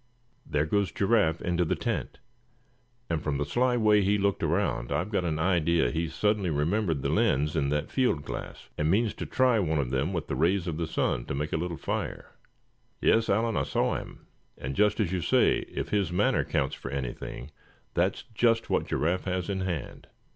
"There goes Giraffe into the tent; and from the sly way he looked around, I've got an idea he's suddenly remembered the lens in that field glass, and means to try one of them with the rays of the sun, to make a little fire." "Yes, Allan, I saw him; and just as you say, if his manner counts for anything, that's just what Giraffe has in hand.